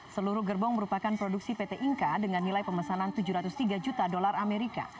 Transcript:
seluruh gerbong merupakan produksi pt inka dengan nilai pemesanan tujuh ratus tiga juta dolar amerika